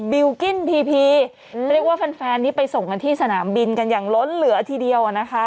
ิวกิ้นพีพีเรียกว่าแฟนนี้ไปส่งกันที่สนามบินกันอย่างล้นเหลือทีเดียวอ่ะนะคะ